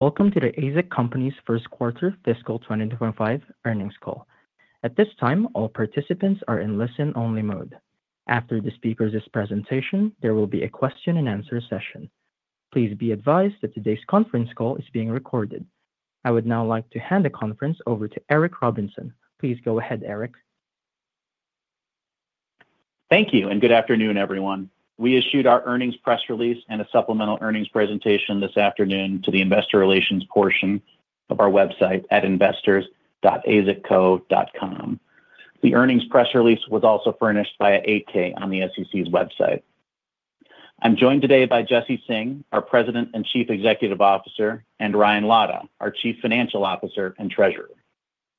Welcome to The AZEK Company's first quarter fiscal 2025 earnings call. At this time, all participants are in listen-only mode. After the speaker's presentation, there will be a question-and-answer session. Please be advised that today's conference call is being recorded. I would now like to hand the conference over to Eric Robinson. Please go ahead, Eric. Thank you, and good afternoon, everyone. We issued our earnings press release and a supplemental earnings presentation this afternoon to the investor relations portion of our website at investors.azekco.com. The earnings press release was also furnished by AZEK on the SEC's website. I'm joined today by Jesse Singh, our President and Chief Executive Officer, and Ryan Lada, our Chief Financial Officer and Treasurer.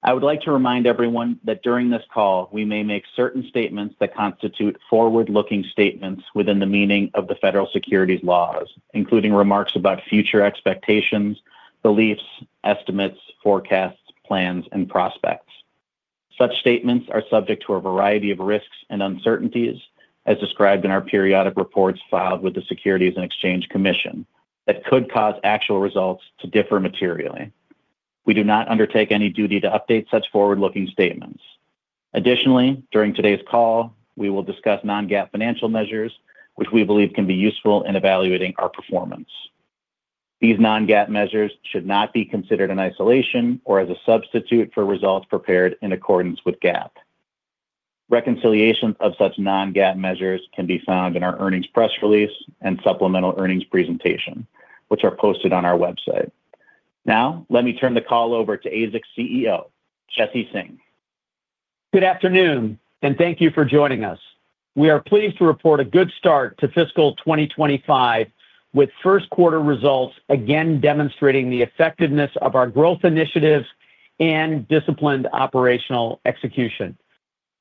I would like to remind everyone that during this call, we may make certain statements that constitute forward-looking statements within the meaning of the federal securities laws, including remarks about future expectations, beliefs, estimates, forecasts, plans, and prospects. Such statements are subject to a variety of risks and uncertainties, as described in our periodic reports filed with the Securities and Exchange Commission, that could cause actual results to differ materially. We do not undertake any duty to update such forward-looking statements. Additionally, during today's call, we will discuss non-GAAP financial measures, which we believe can be useful in evaluating our performance. These non-GAAP measures should not be considered in isolation or as a substitute for results prepared in accordance with GAAP. Reconciliations of such non-GAAP measures can be found in our earnings press release and supplemental earnings presentation, which are posted on our website. Now, let me turn the call over to AZEK's Chief Executive Officer, Jesse Singh. Good afternoon, and thank you for joining us. We are pleased to report a good start to fiscal 2025, with first quarter results again demonstrating the effectiveness of our growth initiatives and disciplined operational execution.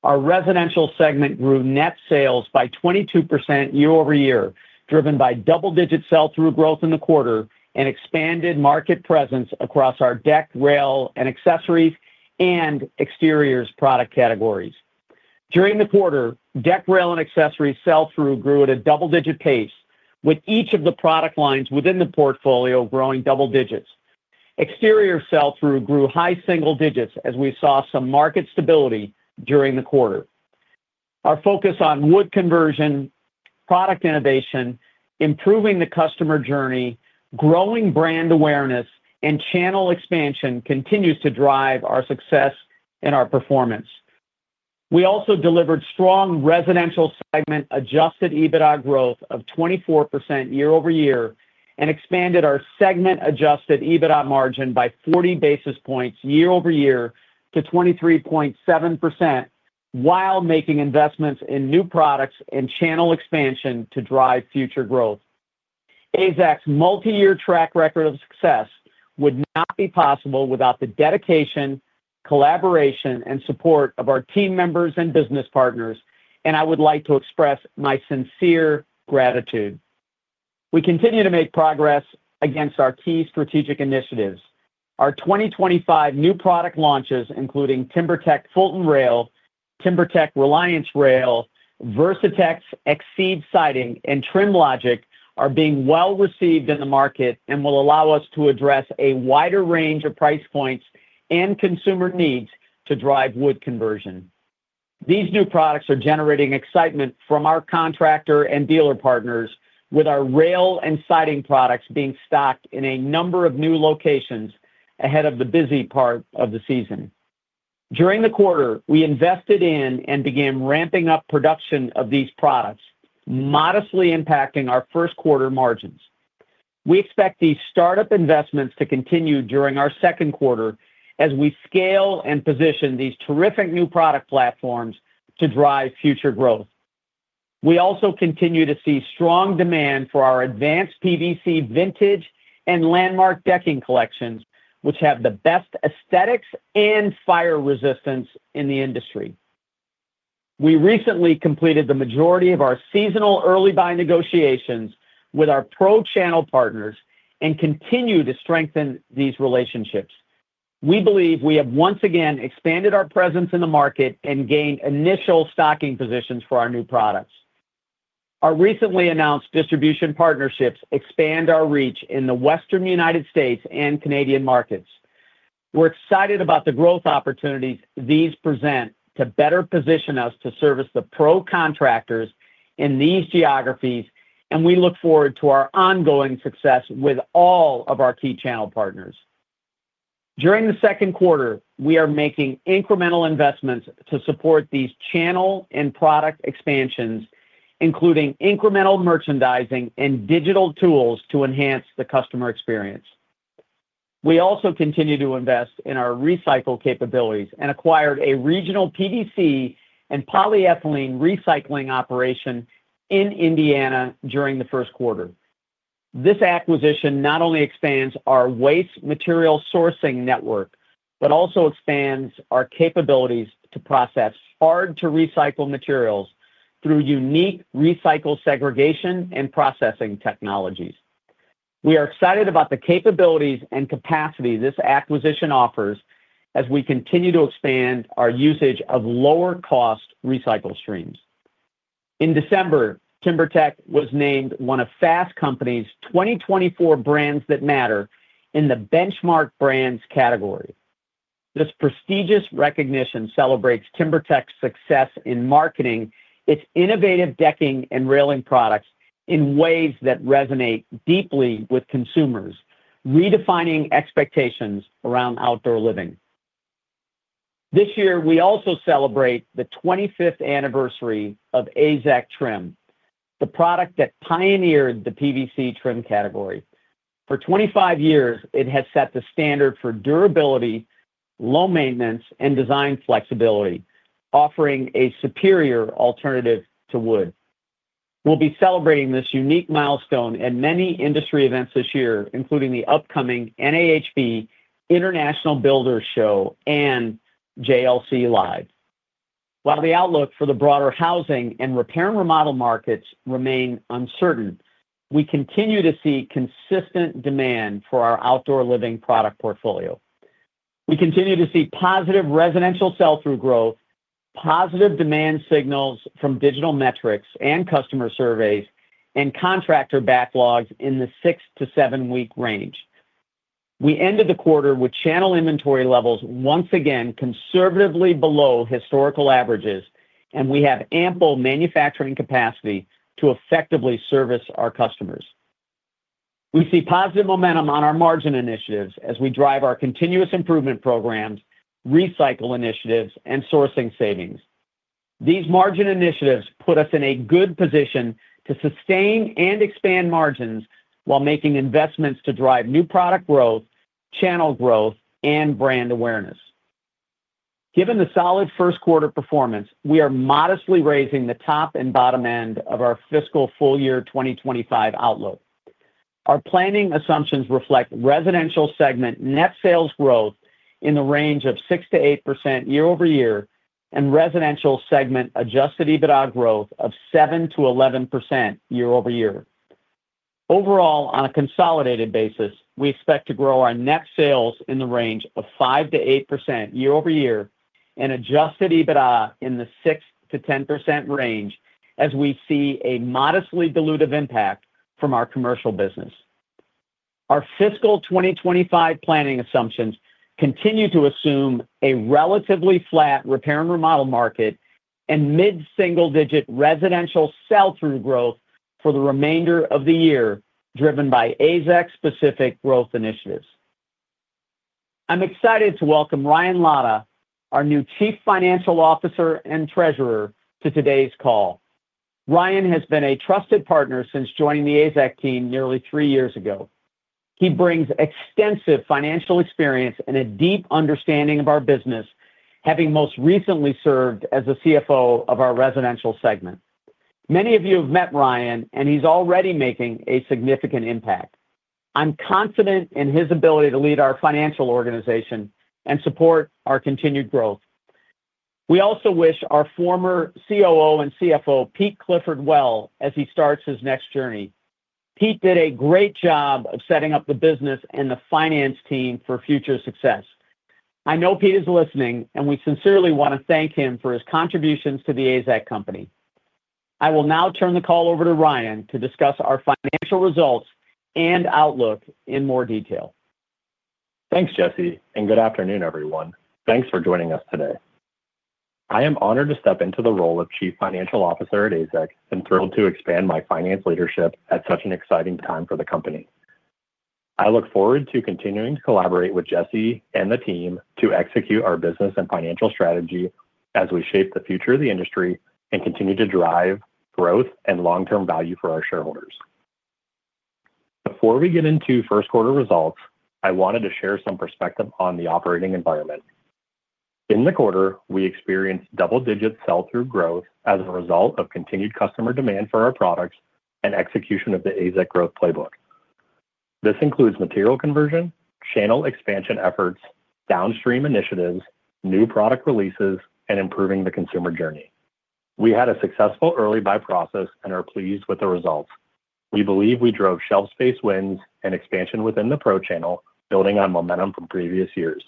Our residential segment grew net sales by 22% year-over-year, driven by double-digit sell-through growth in the quarter and expanded market presence across our deck, rail, and accessories and exteriors product categories. During the quarter, deck, rail, and accessories sell-through grew at a double-digit pace, with each of the product lines within the portfolio growing double digits. Exteriors sell-through grew high single digits as we saw some market stability during the quarter. Our focus on wood conversion, product innovation, improving the customer journey, growing brand awareness, and channel expansion continues to drive our success and our performance. We also delivered strong residential segment Adjusted EBITDA growth of 24% year-over-year and expanded our segment-adjusted EBITDA margin by 40 basis points year-over-year to 23.7% while making investments in new products and channel expansion to drive future growth. AZEK's multi-year track record of success would not be possible without the dedication, collaboration, and support of our team members and business partners, and I would like to express my sincere gratitude. We continue to make progress against our key strategic initiatives. Our 2025 new product launches, including TimberTech Fulton Rail, TimberTech Reliance Rail, Versatex XCEED Siding, and TrimLogic, are being well received in the market and will allow us to address a wider range of price points and consumer needs to drive wood conversion. These new products are generating excitement from our contractor and dealer partners, with our rail and siding products being stocked in a number of new locations ahead of the busy part of the season. During the quarter, we invested in and began ramping up production of these products, modestly impacting our first quarter margins. We expect these startup investments to continue during our second quarter as we scale and position these terrific new product platforms to drive future growth. We also continue to see strong demand for our advanced PVC Vintage and Landmark decking collections, which have the best aesthetics and fire resistance in the industry. We recently completed the majority of our seasonal early buy negotiations with our pro-channel partners and continue to strengthen these relationships. We believe we have once again expanded our presence in the market and gained initial stocking positions for our new products. Our recently announced distribution partnerships expand our reach in the Western United States and Canadian markets. We're excited about the growth opportunities these present to better position us to service the pro-contractors in these geographies, and we look forward to our ongoing success with all of our key channel partners. During the second quarter, we are making incremental investments to support these channel and product expansions, including incremental merchandising and digital tools to enhance the customer experience. We also continue to invest in our recycle capabilities and acquired a regional PVC and polyethylene recycling operation in Indiana during the first quarter. This acquisition not only expands our waste material sourcing network but also expands our capabilities to process hard-to-recycle materials through unique recycle segregation and processing technologies. We are excited about the capabilities and capacity this acquisition offers as we continue to expand our usage of lower-cost recycle streams. In December, TimberTech was named one of Fast Company's 2024 Brands That Matter in the Benchmark Brands category. This prestigious recognition celebrates TimberTech's success in marketing its innovative decking and railing products in ways that resonate deeply with consumers, redefining expectations around outdoor living. This year, we also celebrate the 25th anniversary of AZEK Trim, the product that pioneered the PVC trim category. For 25 years, it has set the standard for durability, low maintenance, and design flexibility, offering a superior alternative to wood. We'll be celebrating this unique milestone at many industry events this year, including the upcoming NAHB International Builders Show and JLC Live. While the outlook for the broader housing and repair and remodel markets remains uncertain, we continue to see consistent demand for our outdoor living product portfolio. We continue to see positive residential sell-through growth, positive demand signals from digital metrics and customer surveys, and contractor backlogs in the six to seven-week range. We ended the quarter with channel inventory levels once again conservatively below historical averages, and we have ample manufacturing capacity to effectively service our customers. We see positive momentum on our margin initiatives as we drive our continuous improvement programs, recycle initiatives, and sourcing savings. These margin initiatives put us in a good position to sustain and expand margins while making investments to drive new product growth, channel growth, and brand awareness. Given the solid first quarter performance, we are modestly raising the top and bottom end of our fiscal full year 2025 outlook. Our planning assumptions reflect residential segment net sales growth in the range of 6%-8% year-over-year and residential segment Adjusted EBITDA growth of 7%-11% year-over-year. Overall, on a consolidated basis, we expect to grow our net sales in the range of 5%-8% year-over-year and Adjusted EBITDA in the 6%-10% range as we see a modestly dilutive impact from our commercial business. Our fiscal 2025 planning assumptions continue to assume a relatively flat repair and remodel market and mid-single-digit residential sell-through growth for the remainder of the year, driven by AZEK-specific growth initiatives. I'm excited to welcome Ryan Lada, our new Chief Financial Officer and Treasurer, to today's call. Ryan has been a trusted partner since joining the AZEK team nearly three years ago. He brings extensive financial experience and a deep understanding of our business, having most recently served as the Chief Financial Officer of our residential segment. Many of you have met Ryan, and he's already making a significant impact. I'm confident in his ability to lead our financial organization and support our continued growth. We also wish our former Chief Operating Officer and Chief Financial Officer, Pete Clifford, well, as he starts his next journey. Pete did a great job of setting up the business and the finance team for future success. I know Pete is listening, and we sincerely want to thank him for his contributions to the AZEK Company. I will now turn the call over to Ryan to discuss our financial results and outlook in more detail. Thanks, Jesse, and good afternoon, everyone. Thanks for joining us today. I am honored to step into the role of Chief Financial Officer at AZEK and thrilled to expand my finance leadership at such an exciting time for the company. I look forward to continuing to collaborate with Jesse and the team to execute our business and financial strategy as we shape the future of the industry and continue to drive growth and long-term value for our shareholders. Before we get into first quarter results, I wanted to share some perspective on the operating environment. In the quarter, we experienced double-digit sell-through growth as a result of continued customer demand for our products and execution of the AZEK growth playbook. This includes material conversion, channel expansion efforts, downstream initiatives, new product releases, and improving the consumer journey. We had a successful early buy process and are pleased with the results. We believe we drove shelf space wins and expansion within the pro channel, building on momentum from previous years.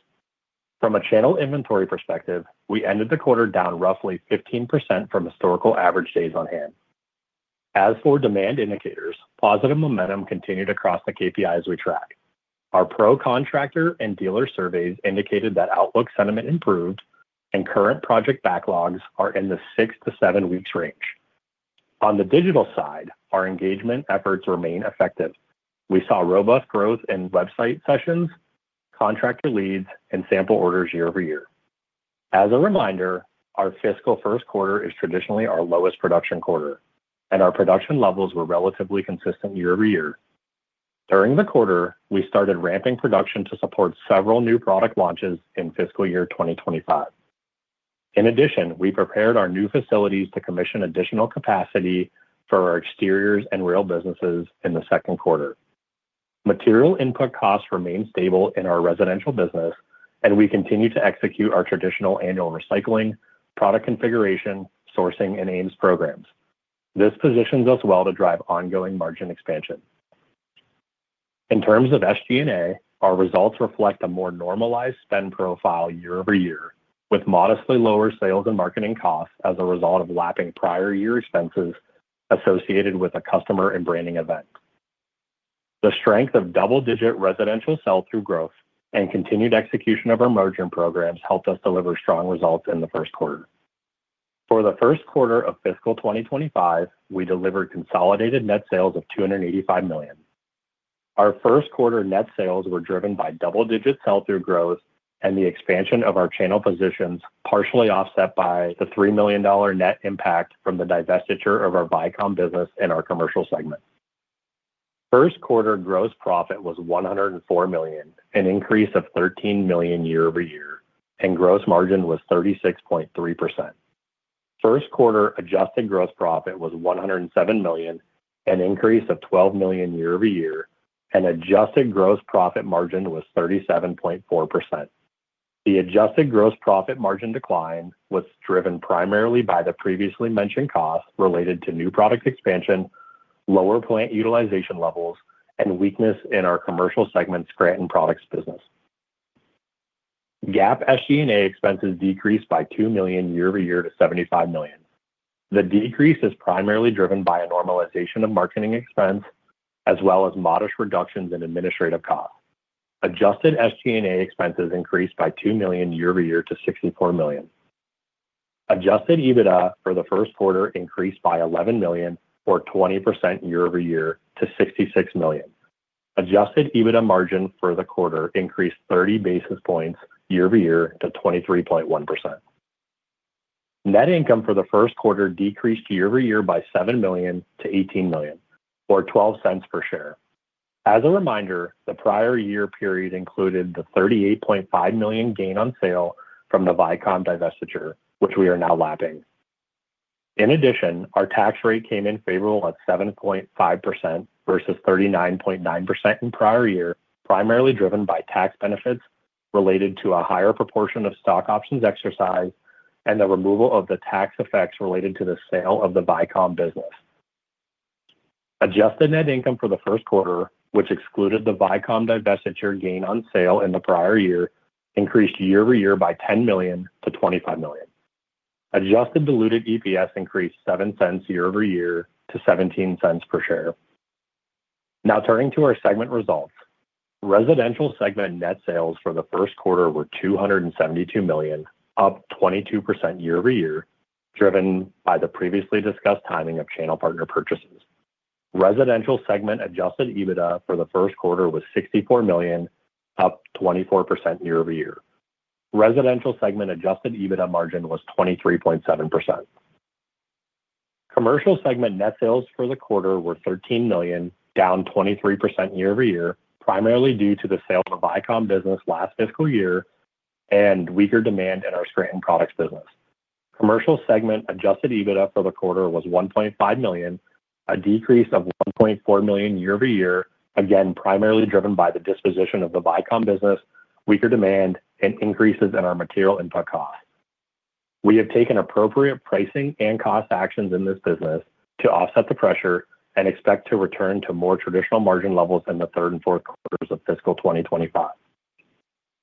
From a channel inventory perspective, we ended the quarter down roughly 15% from historical average days on hand. As for demand indicators, positive momentum continued across the KPIs we tracked. Our pro-contractor and dealer surveys indicated that outlook sentiment improved, and current project backlogs are in the six- to seven-week range. On the digital side, our engagement efforts remain effective. We saw robust growth in website sessions, contractor leads, and sample orders year-over-year. As a reminder, our fiscal first quarter is traditionally our lowest production quarter, and our production levels were relatively consistent year-over-year. During the quarter, we started ramping production to support several new product launches in fiscal year 2025. In addition, we prepared our new facilities to commission additional capacity for our exteriors and rail businesses in the second quarter. Material input costs remained stable in our residential business, and we continue to execute our traditional annual recycling, product configuration, sourcing, and AMS programs. This positions us well to drive ongoing margin expansion. In terms of SG&A, our results reflect a more normalized spend profile year-over-year, with modestly lower sales and marketing costs as a result of lapping prior year expenses associated with a customer and branding event. The strength of double-digit residential sell-through growth and continued execution of our margin programs helped us deliver strong results in the first quarter. For the first quarter of fiscal 2025, we delivered consolidated net sales of $285 million. Our first quarter net sales were driven by double-digit sell-through growth and the expansion of our channel positions, partially offset by the $3 million net impact from the divestiture of our Vycom business and our commercial segment. First quarter gross profit was $104 million, an increase of $13 million year-over-year, and gross margin was 36.3%. First quarter adjusted gross profit was $107 million, an increase of $12 million year-over-year, and adjusted gross profit margin was 37.4%. The adjusted gross profit margin decline was driven primarily by the previously mentioned costs related to new product expansion, lower plant utilization levels, and weakness in our commercial segment's Scranton products business. GAAP SG&A expenses decreased by $2 million year-over-year to $75 million. The decrease is primarily driven by a normalization of marketing expense as well as modest reductions in administrative costs. Adjusted SG&A expenses increased by $2 million year-over-year to $64 million. Adjusted EBITDA for the first quarter increased by $11 million, or 20% year-over-year, to $66 million. Adjusted EBITDA margin for the quarter increased 30 basis points year-over-year to 23.1%. Net income for the first quarter decreased year-over-year by $7 million to $18 million, or $0.12 per share. As a reminder, the prior year period included the $38.5 million gain on sale from the Vycom divestiture, which we are now lapping. In addition, our tax rate came in favorable at 7.5% versus 39.9% in prior year, primarily driven by tax benefits related to a higher proportion of stock options exercise and the removal of the tax effects related to the sale of the Vycom business. Adjusted net income for the first quarter, which excluded the Vycom divestiture gain on sale in the prior year, increased year-over-year by $10 million to $25 million. Adjusted diluted EPS increased $0.07 year-over-year to $0.17 per share. Now turning to our segment results, residential segment net sales for the first quarter were $272 million, up 22% year-over-year, driven by the previously discussed timing of channel partner purchases. Residential segment adjusted EBITDA for the first quarter was $64 million, up 24% year-over-year. Residential segment adjusted EBITDA margin was 23.7%. Commercial segment net sales for the quarter were $13 million, down 23% year-over-year, primarily due to the sale of the Vycom business last fiscal year and weaker demand in our Scranton Products business. Commercial segment Adjusted EBITDA for the quarter was $1.5 million, a decrease of $1.4 million year-over-year, again primarily driven by the disposition of the Vycom business, weaker demand, and increases in our material input costs. We have taken appropriate pricing and cost actions in this business to offset the pressure and expect to return to more traditional margin levels in the third and fourth quarters of fiscal 2025.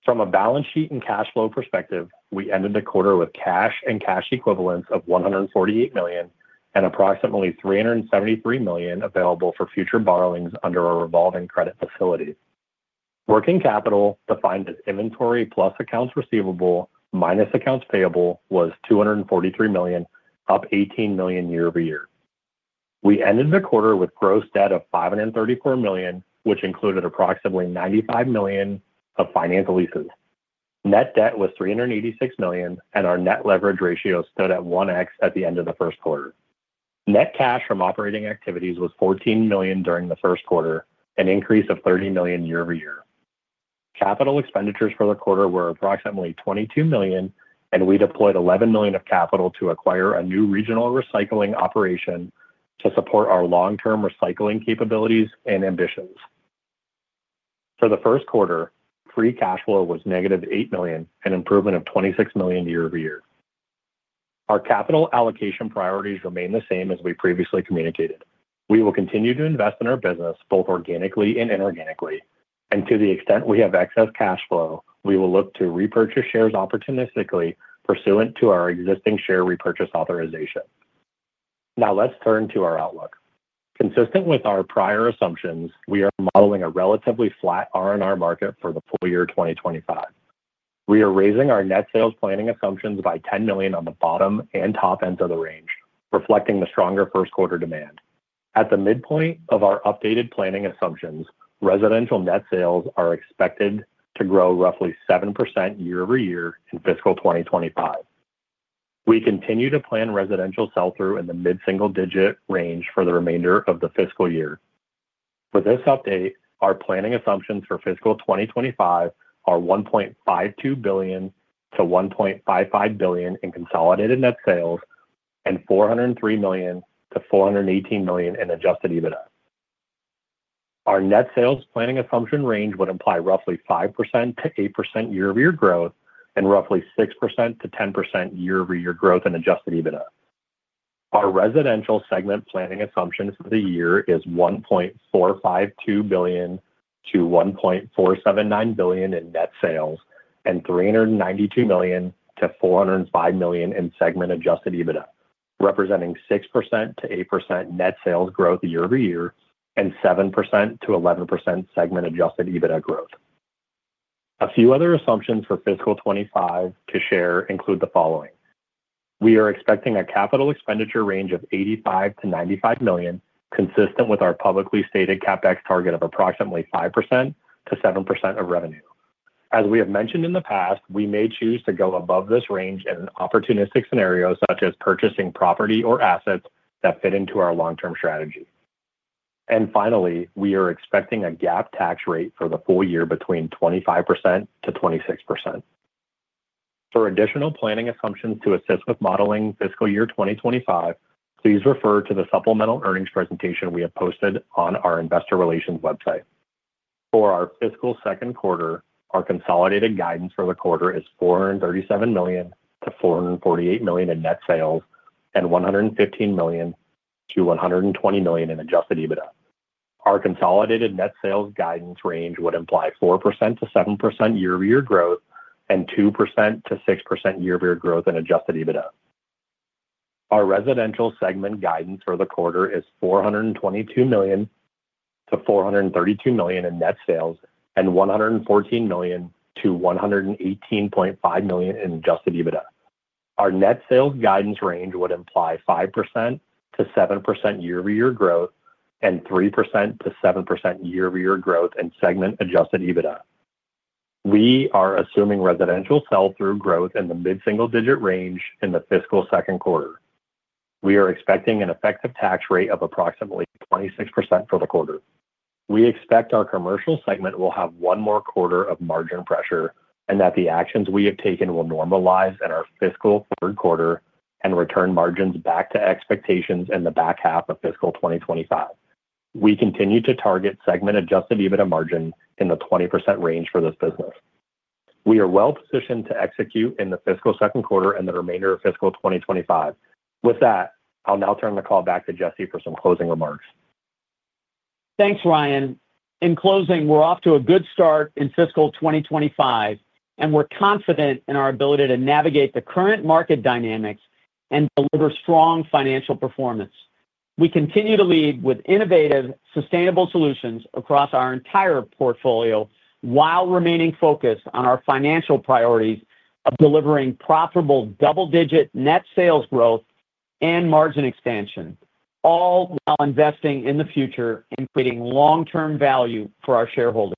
From a balance sheet and cash flow perspective, we ended the quarter with cash and cash equivalents of $148 million and approximately $373 million available for future borrowings under our revolving credit facility. Working capital, defined as inventory plus accounts receivable minus accounts payable, was $243 million, up $18 million year-over-year. We ended the quarter with gross debt of $534 million, which included approximately $95 million of finance leases. Net debt was $386 million, and our net leverage ratio stood at 1x at the end of the first quarter. Net cash from operating activities was $14 million during the first quarter, an increase of $30 million year-over-year. Capital expenditures for the quarter were approximately $22 million, and we deployed $11 million of capital to acquire a new regional recycling operation to support our long-term recycling capabilities and ambitions. For the first quarter, free cash flow was negative $8 million, an improvement of $26 million year-over-year. Our capital allocation priorities remain the same as we previously communicated. We will continue to invest in our business, both organically and inorganically, and to the extent we have excess cash flow, we will look to repurchase shares opportunistically, pursuant to our existing share repurchase authorization. Now let's turn to our outlook. Consistent with our prior assumptions, we are modeling a relatively flat R&R market for the full year 2025. We are raising our net sales planning assumptions by $10 million on the bottom and top ends of the range, reflecting the stronger first quarter demand. At the midpoint of our updated planning assumptions, residential net sales are expected to grow roughly 7% year-over-year in fiscal 2025. We continue to plan residential sell-through in the mid-single-digit range for the remainder of the fiscal year. For this update, our planning assumptions for fiscal 2025 are $1.52 billion-$1.55 billion in consolidated net sales and $403 million-$418 million in Adjusted EBITDA. Our net sales planning assumption range would imply roughly 5%-8% year-over-year growth and roughly 6%-10% year-over-year growth in Adjusted EBITDA. Our residential segment planning assumptions for the year is $1.452 billion-$1.479 billion in net sales and $392 million-$405 million in segment adjusted EBITDA, representing 6%-8% net sales growth year-over-year and 7%-11% segment adjusted EBITDA growth. A few other assumptions for fiscal 2025 to share include the following. We are expecting a capital expenditure range of $85-$95 million, consistent with our publicly stated CapEx target of approximately 5%-7% of revenue. As we have mentioned in the past, we may choose to go above this range in an opportunistic scenario, such as purchasing property or assets that fit into our long-term strategy, and finally, we are expecting a GAAP tax rate for the full year between 25%-26%. For additional planning assumptions to assist with modeling fiscal year 2025, please refer to the supplemental earnings presentation we have posted on our investor relations website. For our fiscal second quarter, our consolidated guidance for the quarter is $437 million-$448 million in net sales and $115 million-$120 million in Adjusted EBITDA. Our consolidated net sales guidance range would imply 4%-7% year-over-year growth and 2%-6% year-over-year growth in Adjusted EBITDA. Our residential segment guidance for the quarter is $422 million-$432 million in net sales and $114 million-$118.5 million in Adjusted EBITDA. Our net sales guidance range would imply 5%-7% year-over-year growth and 3%-7% year-over-year growth in segment Adjusted EBITDA. We are assuming residential sell-through growth in the mid-single-digit range in the fiscal second quarter. We are expecting an effective tax rate of approximately 26% for the quarter. We expect our commercial segment will have one more quarter of margin pressure and that the actions we have taken will normalize in our fiscal third quarter and return margins back to expectations in the back half of fiscal 2025. We continue to target segment Adjusted EBITDA margin in the 20% range for this business. We are well positioned to execute in the fiscal second quarter and the remainder of fiscal 2025. With that, I'll now turn the call back to Jesse for some closing remarks. Thanks, Ryan. In closing, we're off to a good start in fiscal 2025, and we're confident in our ability to navigate the current market dynamics and deliver strong financial performance. We continue to lead with innovative, sustainable solutions across our entire portfolio while remaining focused on our financial priorities of delivering profitable double-digit net sales growth and margin expansion, all while investing in the future and creating long-term value for our shareholders.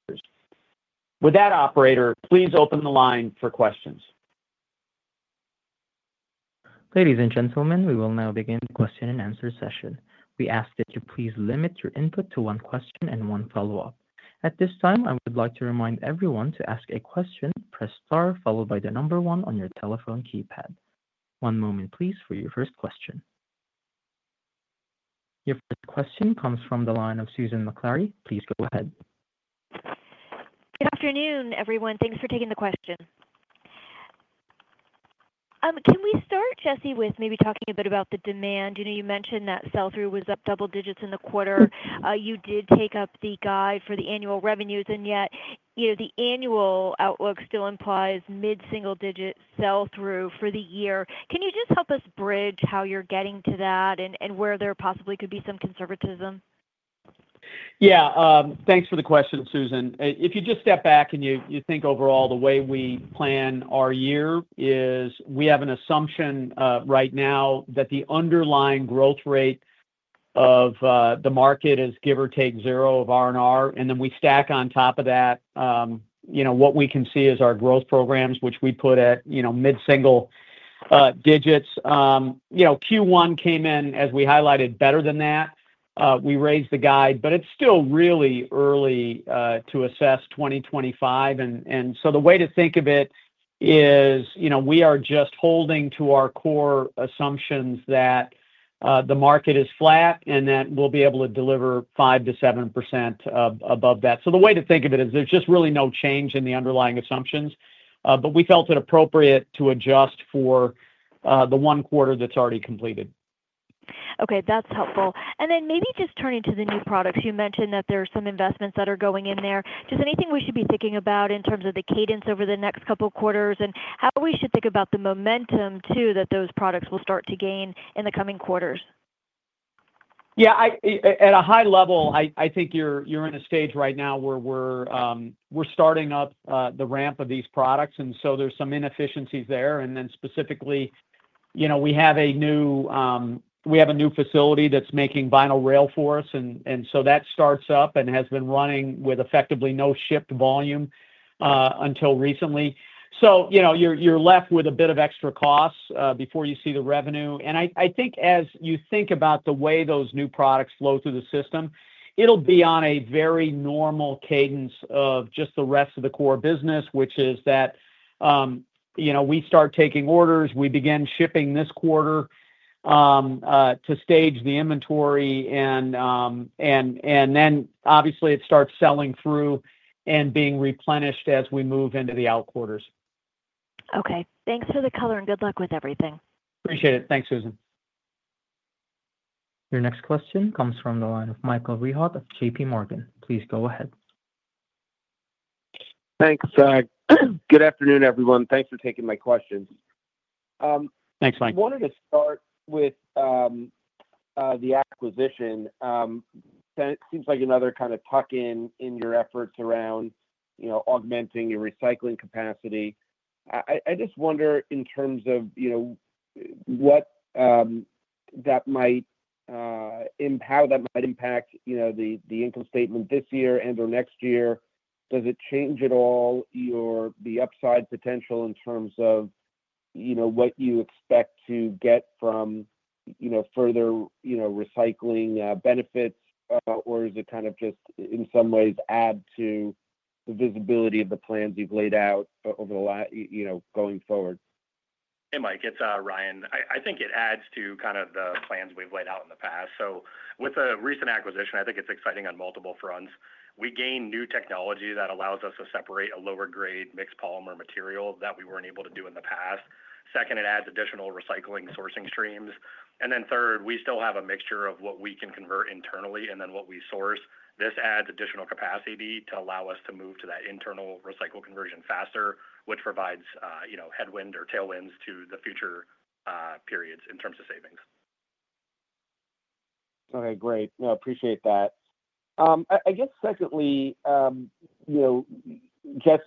With that, Operator, please open the line for questions. Ladies and gentlemen, we will now begin the question and answer session. We ask that you please limit your input to one question and one follow-up. At this time, I would like to remind everyone to ask a question, press star, followed by the number one on your telephone keypad. One moment, please, for your first question. Your first question comes from the line of Susan Maklari. Please go ahead. Good afternoon, everyone. Thanks for taking the question. Can we start, Jesse, with maybe talking a bit about the demand? You mentioned that sell-through was up double digits in the quarter. You did take up the guide for the annual revenues, and yet the annual outlook still implies mid-single-digit sell-through for the year. Can you just help us bridge how you're getting to that and where there possibly could be some conservatism? Yeah. Thanks for the question, Susan. If you just step back and you think overall the way we plan our year is we have an assumption right now that the underlying growth rate of the market is give or take zero of R&R, and then we stack on top of that what we can see as our growth programs, which we put at mid-single digits. Q1 came in, as we highlighted, better than that. We raised the guide, but it's still really early to assess 2025. And so the way to think of it is we are just holding to our core assumptions that the market is flat and that we'll be able to deliver 5%-7% above that. So the way to think of it is there's just really no change in the underlying assumptions, but we felt it appropriate to adjust for the one quarter that's already completed. Okay. That's helpful. And then maybe just turning to the new products, you mentioned that there are some investments that are going in there. Just anything we should be thinking about in terms of the cadence over the next couple of quarters and how we should think about the momentum too that those products will start to gain in the coming quarters? Yeah. At a high level, I think you're in a stage right now where we're starting up the ramp of these products, and so there's some inefficiencies there. And then specifically, we have a new facility that's making vinyl rail for us, and so that starts up and has been running with effectively no shipped volume until recently. So you're left with a bit of extra costs before you see the revenue. And I think as you think about the way those new products flow through the system, it'll be on a very normal cadence of just the rest of the core business, which is that we start taking orders, we begin shipping this quarter to stage the inventory, and then obviously it starts selling through and being replenished as we move into the out quarters. Okay. Thanks for the color and good luck with everything. Appreciate it. Thanks, Susan. Your next question comes from the line of Michael Rehaut of JPMorgan. Please go ahead. Thanks. Good afternoon, everyone. Thanks for taking my questions. Thanks, Mike. I wanted to start with the acquisition. It seems like another kind of tuck-in in your efforts around augmenting your recycling capacity. I just wonder in terms of what that might impact, how that might impact the income statement this year and/or next year. Does it change at all the upside potential in terms of what you expect to get from further recycling benefits, or is it kind of just in some ways add to the visibility of the plans you've laid out over the last going forward? Hey, Mike. It's Ryan. I think it adds to kind of the plans we've laid out in the past. So with the recent acquisition, I think it's exciting on multiple fronts. We gain new technology that allows us to separate a lower-grade mixed polymer material that we weren't able to do in the past. Second, it adds additional recycling sourcing streams. And then third, we still have a mixture of what we can convert internally and then what we source. This adds additional capacity to allow us to move to that internal recycle conversion faster, which provides headwind or tailwinds to the future periods in terms of savings. Okay. Great. I appreciate that. I guess secondly, Jesse,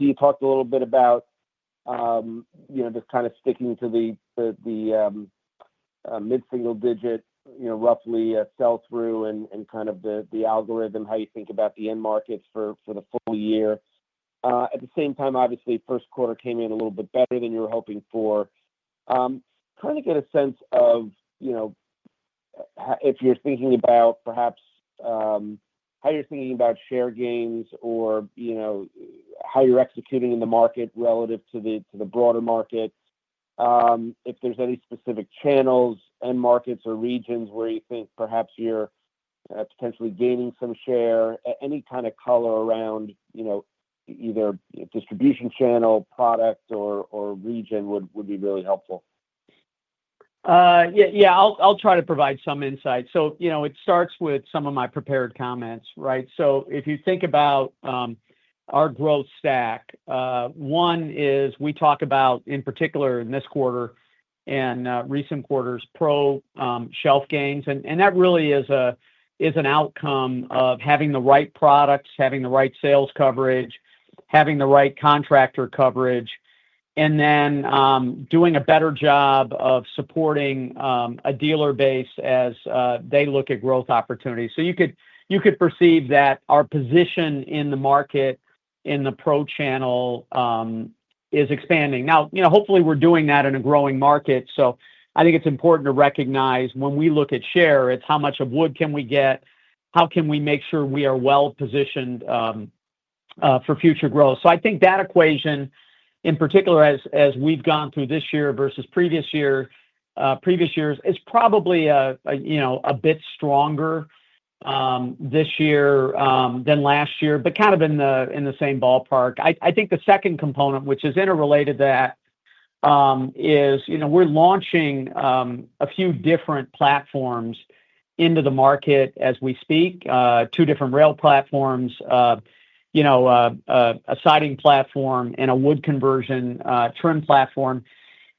you talked a little bit about just kind of sticking to the mid-single digit, roughly sell-through and kind of the algorithm, how you think about the end markets for the full year. At the same time, obviously, first quarter came in a little bit better than you were hoping for. Trying to get a sense of if you're thinking about perhaps how you're thinking about share gains or how you're executing in the market relative to the broader market, if there's any specific channels and markets or regions where you think perhaps you're potentially gaining some share, any kind of color around either distribution channel, product, or region would be really helpful? Yeah. I'll try to provide some insight. So it starts with some of my prepared comments, right? So if you think about our growth stack, one is we talk about in particular in this quarter and recent quarters pro channel shelf gains, and that really is an outcome of having the right products, having the right sales coverage, having the right contractor coverage, and then doing a better job of supporting a dealer base as they look at growth opportunities. So you could perceive that our position in the market in the pro channel is expanding. Now, hopefully, we're doing that in a growing market. So I think it's important to recognize when we look at share, it's how much of wood can we get, how can we make sure we are well positioned for future growth. So I think that equation, in particular, as we've gone through this year versus previous years, is probably a bit stronger this year than last year, but kind of in the same ballpark. I think the second component, which is interrelated to that, is we're launching a few different platforms into the market as we speak, two different rail platforms, a siding platform, and a wood conversion trim platform.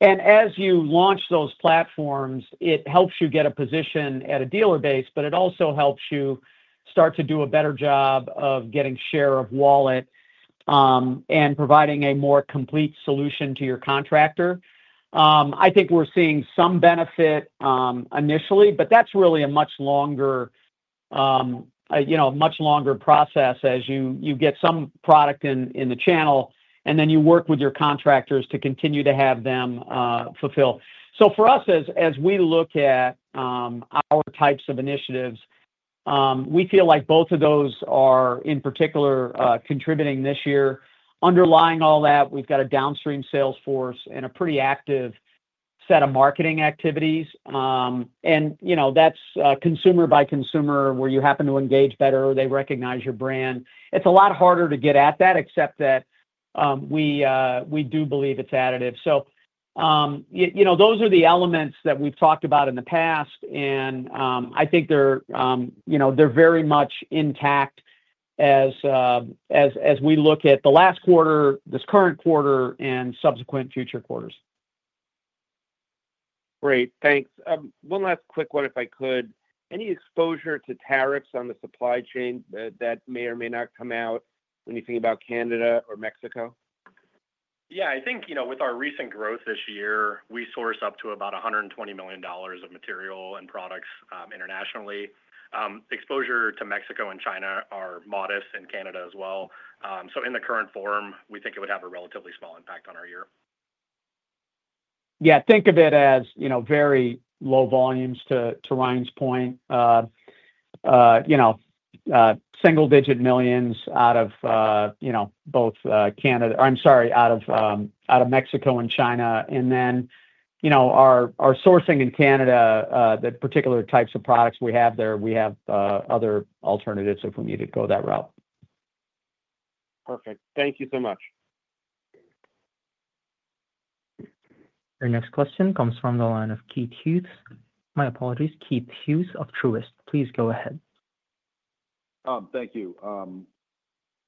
And as you launch those platforms, it helps you get a position at a dealer base, but it also helps you start to do a better job of getting share of wallet and providing a more complete solution to your contractor. I think we're seeing some benefit initially, but that's really a much longer process as you get some product in the channel, and then you work with your contractors to continue to have them fulfill. So for us, as we look at our types of initiatives, we feel like both of those are in particular contributing this year. Underlying all that, we've got a downstream sales force and a pretty active set of marketing activities. And that's consumer by consumer where you happen to engage better, or they recognize your brand. It's a lot harder to get at that, except that we do believe it's additive. So those are the elements that we've talked about in the past, and I think they're very much intact as we look at the last quarter, this current quarter, and subsequent future quarters. Great. Thanks. One last quick one, if I could. Any exposure to tariffs on the supply chain that may or may not come out when you think about Canada or Mexico? Yeah. I think with our recent growth this year, we source up to about $120 million of material and products internationally. Exposure to Mexico and China are modest in Canada as well. So in the current form, we think it would have a relatively small impact on our year. Yeah. Think of it as very low volumes to Ryan's point, single-digit millions out of both Canada or I'm sorry, out of Mexico and China. And then our sourcing in Canada, the particular types of products we have there, we have other alternatives if we need to go that route. Perfect. Thank you so much. Your next question comes from the line of Keith Hughes. My apologies, Keith Hughes of Truist. Please go ahead. Thank you.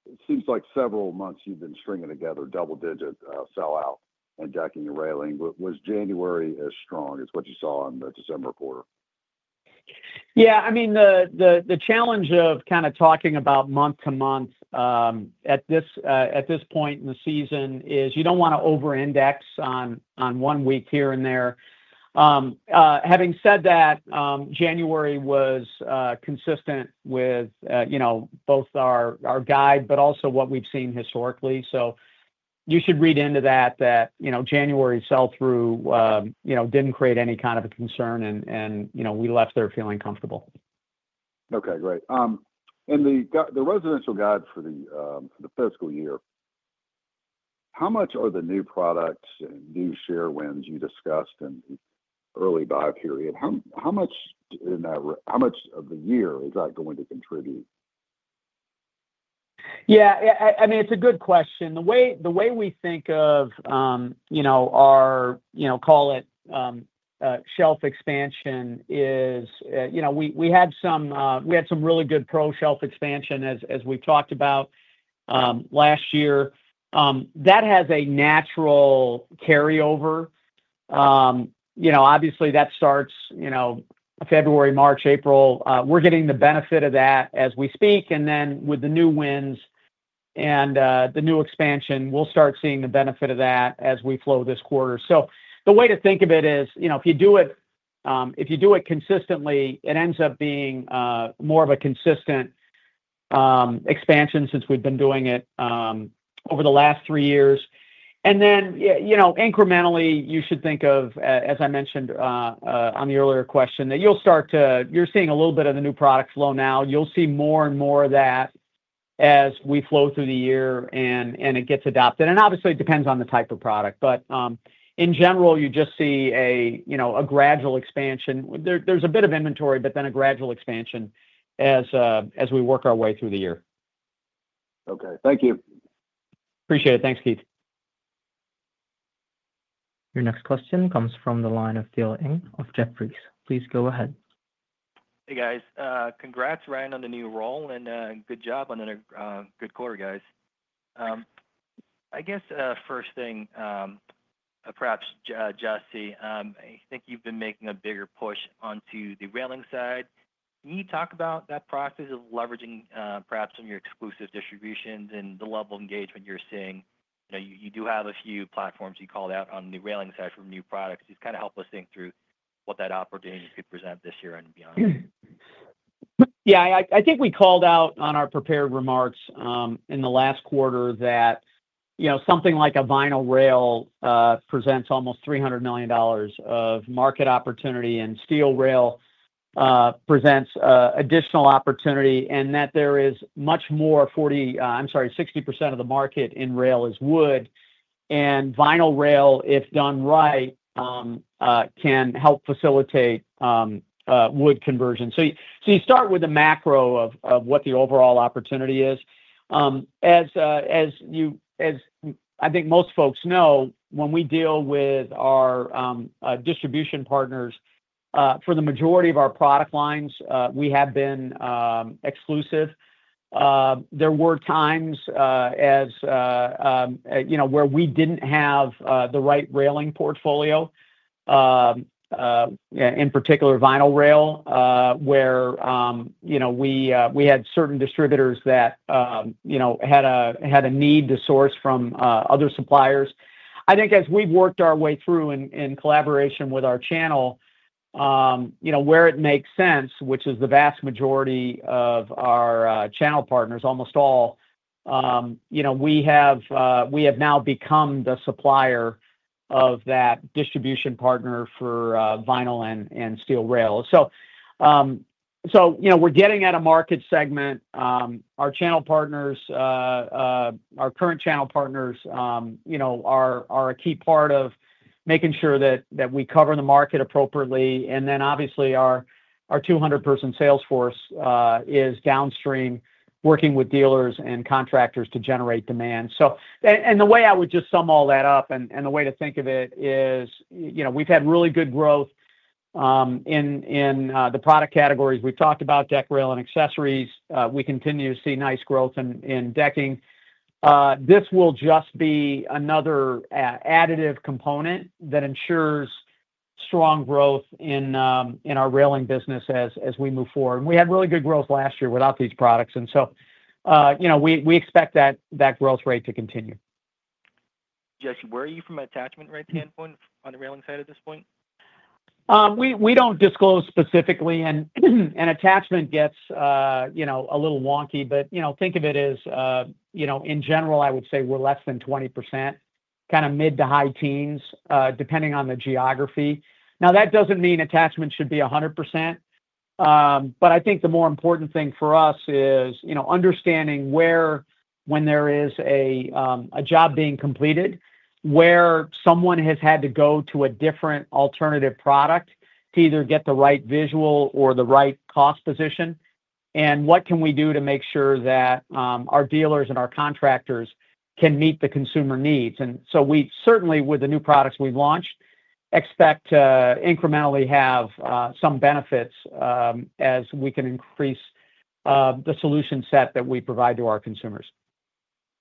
It seems like several months you've been stringing together double-digit sell-through and tracking your railing. Was January as strong as what you saw in the December quarter? Yeah. I mean, the challenge of kind of talking about month-to-month at this point in the season is you don't want to over-index on one week here and there. Having said that, January was consistent with both our guide, but also what we've seen historically. So you should read into that that January sell-through didn't create any kind of a concern, and we left there feeling comfortable. Okay. Great. The residential guide for the fiscal year, how much are the new products and new share wins you discussed in the early buy period? How much in that, how much of the year is that going to contribute? Yeah. I mean, it's a good question. The way we think of our, call it, shelf expansion is we had some really good pro shelf expansion, as we've talked about last year. That has a natural carryover. Obviously, that starts February, March, April. We're getting the benefit of that as we speak. And then with the new wins and the new expansion, we'll start seeing the benefit of that as we flow this quarter. So the way to think of it is if you do it consistently, it ends up being more of a consistent expansion since we've been doing it over the last three years. And then incrementally, you should think of, as I mentioned on the earlier question, that you'll start to see. You're seeing a little bit of the new product flow now. You'll see more and more of that as we flow through the year and it gets adopted. And obviously, it depends on the type of product. But in general, you just see a gradual expansion. There's a bit of inventory, but then a gradual expansion as we work our way through the year. Okay. Thank you. Appreciate it. Thanks, Keith. Your next question comes from the line of Philip Ng of Jefferies. Please go ahead. Hey, guys. Congrats, Ryan, on the new role, and good job on a good quarter, guys. I guess first thing, perhaps, Jesse, I think you've been making a bigger push onto the railing side. Can you talk about that process of leveraging perhaps from your exclusive distributions and the level of engagement you're seeing? You do have a few platforms you called out on the railing side for new products. Just kind of help us think through what that opportunity could present this year and beyond. Yeah. I think we called out on our prepared remarks in the last quarter that something like a vinyl rail presents almost $300 million of market opportunity, and steel rail presents additional opportunity, and that there is much more 40. I'm sorry, 60% of the market in rail is wood. And vinyl rail, if done right, can help facilitate wood conversion. So you start with the macro of what the overall opportunity is. As I think most folks know, when we deal with our distribution partners, for the majority of our product lines, we have been exclusive. There were times where we didn't have the right railing portfolio, in particular vinyl rail, where we had certain distributors that had a need to source from other suppliers. I think as we've worked our way through in collaboration with our channel, where it makes sense, which is the vast majority of our channel partners, almost all, we have now become the supplier of that distribution partner for vinyl and steel rail. So we're getting at a market segment. Our channel partners, our current channel partners, are a key part of making sure that we cover the market appropriately, and then obviously, our 200-person sales force is downstream working with dealers and contractors to generate demand, and the way I would just sum all that up and the way to think of it is we've had really good growth in the product categories. We've talked about deck rail and accessories. We continue to see nice growth in decking. This will just be another additive component that ensures strong growth in our railing business as we move forward. And we had really good growth last year without these products. And so we expect that growth rate to continue. Jesse, where are you from an attachment rate standpoint on the railing side at this point? We don't disclose specifically, and attachment gets a little wonky. But think of it as in general, I would say we're less than 20%, kind of mid to high teens, depending on the geography. Now, that doesn't mean attachment should be 100%. But I think the more important thing for us is understanding where, when there is a job being completed, where someone has had to go to a different alternative product to either get the right visual or the right cost position, and what can we do to make sure that our dealers and our contractors can meet the consumer needs. And so we certainly, with the new products we've launched, expect to incrementally have some benefits as we can increase the solution set that we provide to our consumers.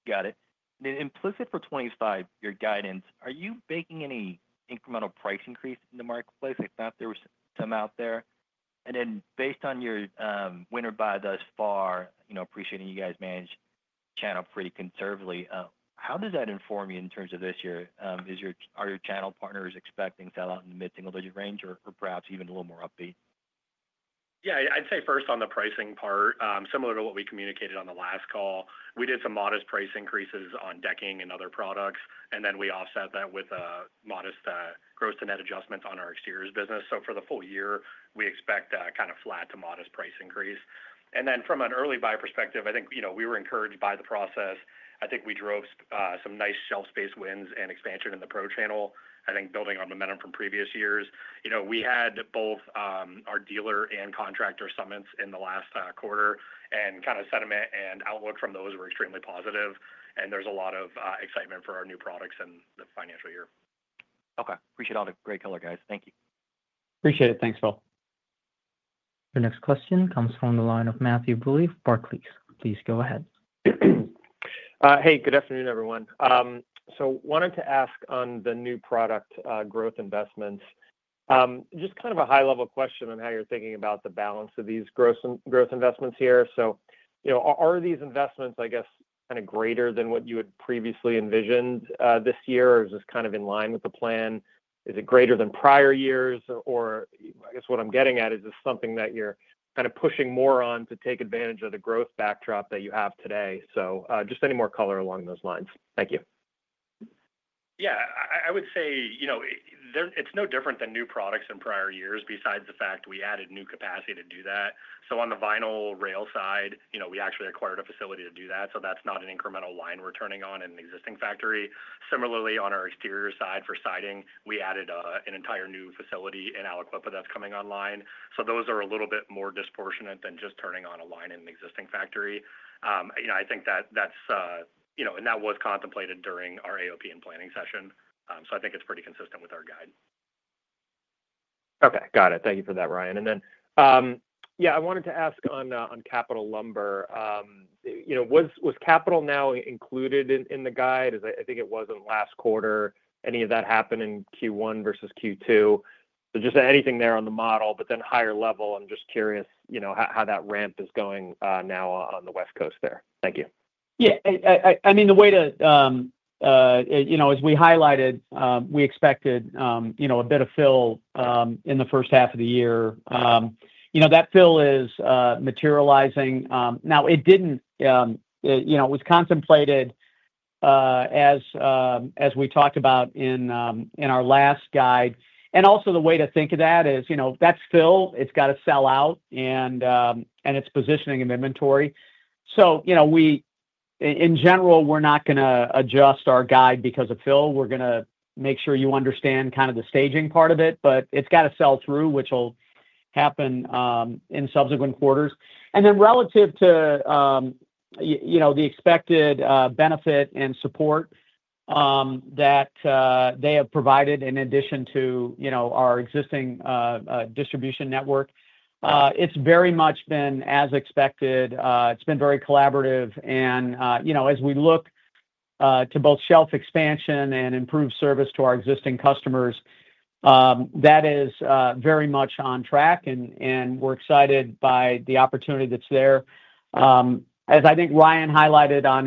Got it. And implicit for 2025, your guidance, are you making any incremental price increase in the marketplace if not, there was some out there? And then based on your winter buy thus far, appreciating you guys manage channel pretty conservatively, how does that inform you in terms of this year? Are your channel partners expecting sell-through in the mid- to single-digit range or perhaps even a little more upbeat? Yeah. I'd say first on the pricing part, similar to what we communicated on the last call, we did some modest price increases on decking and other products, and then we offset that with modest gross-to-net adjustments on our exteriors business. So for the full year, we expect kind of flat to modest price increase. And then from an early buy perspective, I think we were encouraged by the process. I think we drove some nice shelf space wins and expansion in the pro channel, I think, building on momentum from previous years. We had both our dealer and contractor summits in the last quarter, and kind of sentiment and outlook from those were extremely positive. And there's a lot of excitement for our new products in the financial year. Okay. Appreciate all the great color, guys. Thank you. Appreciate it. Thanks, Phil. Your next question comes from the line of Matthew Bouley of Barclays. Please go ahead. Hey, good afternoon, everyone. So wanted to ask on the new product growth investments, just kind of a high-level question on how you're thinking about the balance of these growth investments here. So are these investments, I guess, kind of greater than what you had previously envisioned this year, or is this kind of in line with the plan? Is it greater than prior years, or I guess what I'm getting at is this something that you're kind of pushing more on to take advantage of the growth backdrop that you have today? So just any more color along those lines. Thank you. Yeah. I would say it's no different than new products in prior years besides the fact we added new capacity to do that. So on the vinyl rail side, we actually acquired a facility to do that. So that's not an incremental line we're turning on in an existing factory. Similarly, on our exterior side for siding, we added an entire new facility in Aliquippa that's coming online. So those are a little bit more disproportionate than just turning on a line in an existing factory. I think that that's and that was contemplated during our AOP and planning session. So I think it's pretty consistent with our guide. Okay. Got it. Thank you for that, Ryan. And then, yeah, I wanted to ask on Capital Lumber. Was Capital now included in the guide? I think it was in last quarter. Any of that happen in Q1 versus Q2? So just anything there on the model, but then higher level, I'm just curious how that ramp is going now on the West Coast there. Thank you. Yeah. I mean, the way to as we highlighted, we expected a bit of fill in the first half of the year. That fill is materializing. Now, it didn't, it was contemplated as we talked about in our last guide. And also the way to think of that is that's fill. It's got to sell out, and it's positioning of inventory. So in general, we're not going to adjust our guide because of fill. We're going to make sure you understand kind of the staging part of it, but it's got to sell through, which will happen in subsequent quarters. And then relative to the expected benefit and support that they have provided in addition to our existing distribution network, it's very much been as expected. It's been very collaborative. And as we look to both shelf expansion and improve service to our existing customers, that is very much on track, and we're excited by the opportunity that's there. As I think Ryan highlighted on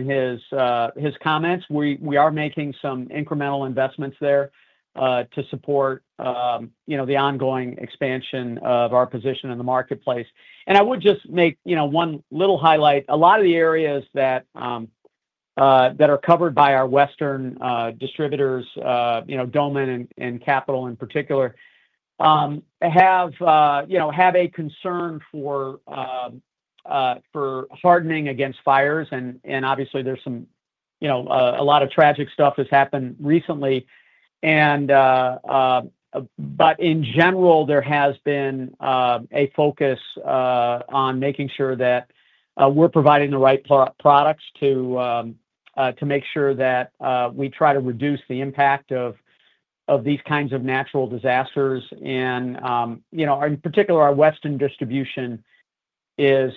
his comments, we are making some incremental investments there to support the ongoing expansion of our position in the marketplace. And I would just make one little highlight. A lot of the areas that are covered by our Western distributors, Doman and Capital in particular, have a concern for hardening against fires. And obviously, there's a lot of tragic stuff that's happened recently. But in general, there has been a focus on making sure that we're providing the right products to make sure that we try to reduce the impact of these kinds of natural disasters. And in particular, our Western distribution is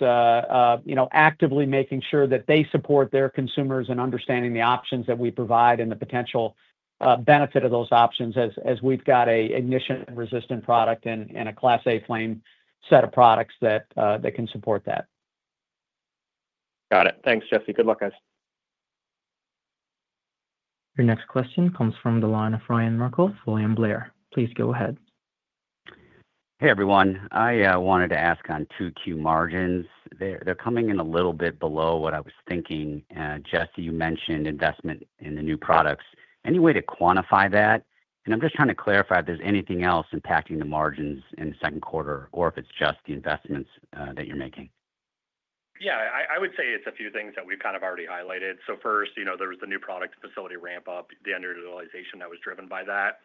actively making sure that they support their consumers and understanding the options that we provide and the potential benefit of those options as we've got an ignition-resistant product and a Class A flame spread of products that can support that. Got it. Thanks, Jesse. Good luck, guys. Your next question comes from the line of Ryan Merkel, William Blair. Please go ahead. Hey, everyone. I wanted to ask on 2Q margins. They're coming in a little bit below what I was thinking. Jesse, you mentioned investment in the new products. Any way to quantify that? I'm just trying to clarify if there's anything else impacting the margins in the second quarter or if it's just the investments that you're making. Yeah. I would say it's a few things that we've kind of already highlighted. First, there was the new product facility ramp-up, the underutilization that was driven by that.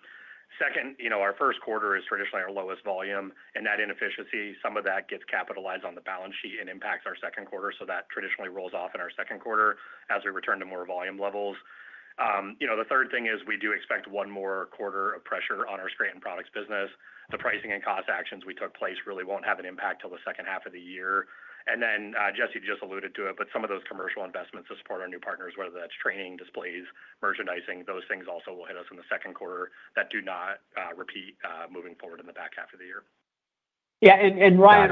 Second, our first quarter is traditionally our lowest volume, and that inefficiency, some of that gets capitalized on the balance sheet and impacts our second quarter. That traditionally rolls off in our second quarter as we return to more volume levels. The third thing is we do expect one more quarter of pressure on our scrap and products business. The pricing and cost actions we took. They really won't have an impact till the second half of the year. And then, Jesse just alluded to it, but some of those commercial investments to support our new partners, whether that's training, displays, merchandising, those things also will hit us in the second quarter that do not repeat moving forward in the back half of the year. Yeah. And Ryan,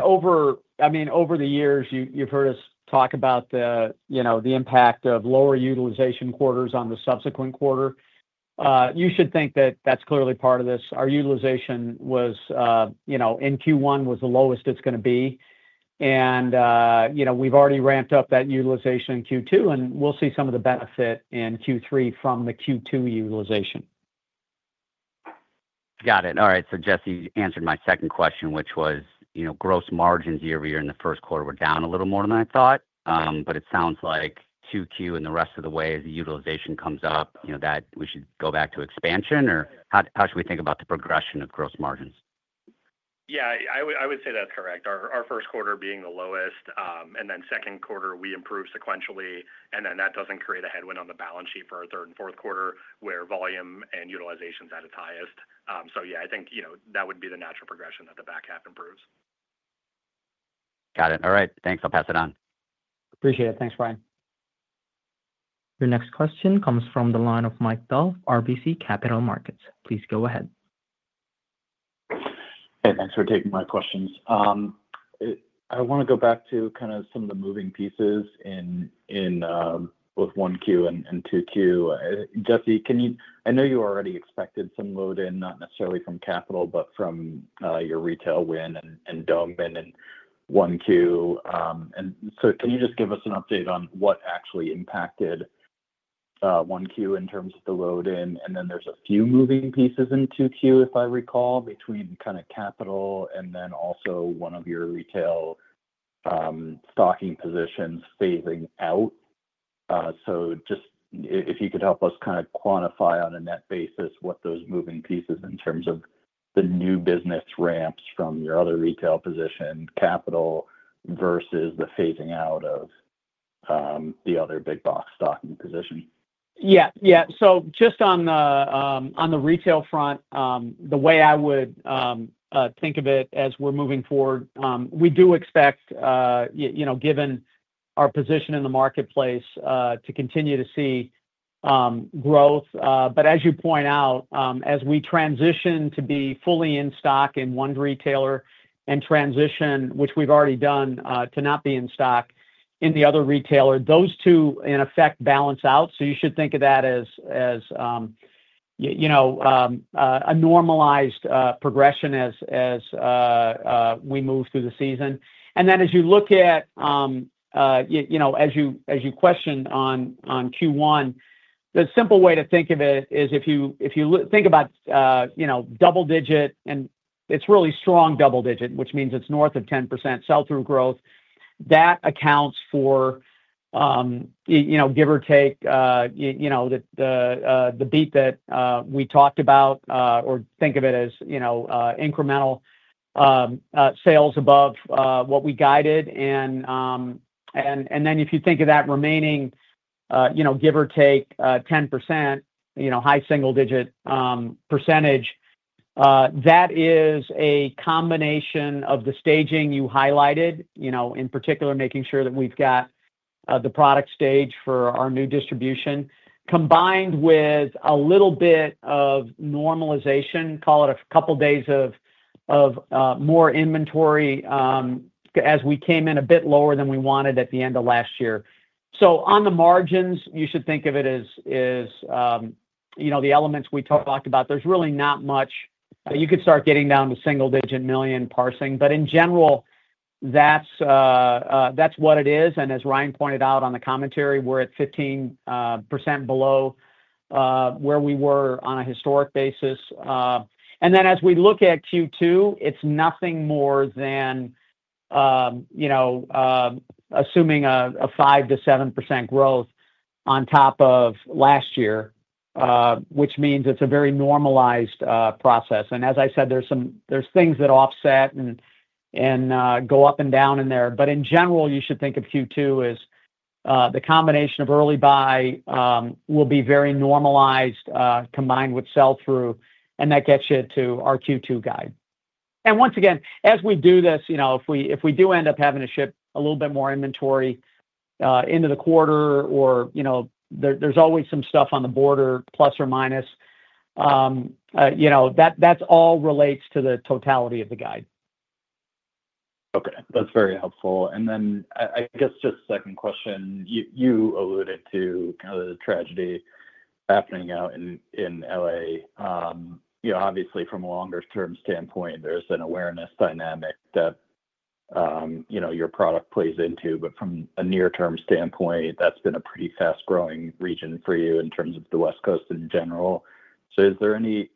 I mean, over the years, you've heard us talk about the impact of lower utilization quarters on the subsequent quarter. You should think that that's clearly part of this. Our utilization in Q1 was the lowest it's going to be. And we've already ramped up that utilization in Q2, and we'll see some of the benefit in Q3 from the Q2 utilization. Got it. All right. So Jesse answered my second question, which was gross margins year-over-year in the first quarter were down a little more than I thought. But it sounds like Q2 and the rest of the way as the utilization comes up, that we should go back to expansion, or how should we think about the progression of gross margins? Yeah. I would say that's correct. Our first quarter being the lowest, and then second quarter, we improve sequentially, and then that doesn't create a headwind on the balance sheet for our third and fourth quarter where volume and utilization is at its highest. So yeah, I think that would be the natural progression that the back half improves. Got it. All right. Thanks. I'll pass it on. Appreciate it. Thanks, Ryan. Your next question comes from the line of Mike Dahl, RBC Capital Markets. Please go ahead. Hey, thanks for taking my questions. I want to go back to kind of some of the moving pieces in both 1Q and 2Q. Jesse, I know you already expected some load in, not necessarily from Capital, but from your retail win and Doman and 1Q. And so can you just give us an update on what actually impacted 1Q in terms of the load in? And then there's a few moving pieces in 2Q, if I recall, between kind of Capital and then also one of your retail stocking positions phasing out. So just if you could help us kind of quantify on a net basis what those moving pieces in terms of the new business ramps from your other retail position, Capital versus the phasing out of the other big box stocking position. Yeah. Yeah. So just on the retail front, the way I would think of it as we're moving forward, we do expect, given our position in the marketplace, to continue to see growth. But as you point out, as we transition to be fully in stock in one retailer and transition, which we've already done, to not be in stock in the other retailer, those two in effect balance out. So you should think of that as a normalized progression as we move through the season. And then, as to your question on Q1, the simple way to think of it is if you think about double-digit, and it's really strong double-digit, which means it's north of 10% sell-through growth. That accounts for, give or take, the beat that we talked about or think of it as incremental sales above what we guided. And then if you think of that remaining, give or take, 10%, high single-digit percentage, that is a combination of the staging you highlighted, in particular, making sure that we've got the product staged for our new distribution combined with a little bit of normalization, call it a couple of days of more inventory as we came in a bit lower than we wanted at the end of last year. So on the margins, you should think of it as the elements we talked about. There's really not much you could start getting down to single-digit million parsing. But in general, that's what it is. And as Ryan pointed out on the commentary, we're at 15% below where we were on a historic basis. And then as we look at Q2, it's nothing more than assuming a 5%-7% growth on top of last year, which means it's a very normalized process. And as I said, there's things that offset and go up and down in there. But in general, you should think of Q2 as the combination of early buy will be very normalized combined with sell-through, and that gets you to our Q2 guide. And once again, as we do this, if we do end up having to ship a little bit more inventory into the quarter, or there's always some stuff on the border, plus or minus, that all relates to the totality of the guide. Okay. That's very helpful. And then I guess just second question, you alluded to kind of the tragedy happening out in LA. Obviously, from a longer-term standpoint, there's an awareness dynamic that your product plays into. But from a near-term standpoint, that's been a pretty fast-growing region for you in terms of the West Coast in general. So is there any